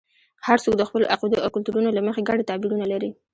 هر څوک د خپلو عقیدو او کلتورونو له مخې ګڼ تعبیرونه لري.